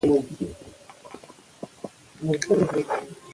ایا دا ستا د پوهنتون د زده کړو لومړنی کال دی؟